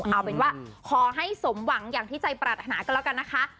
เอาเป็นว่าขอให้สมหวังอย่างที่ใจปรารถนากันแล้วกันนะคะ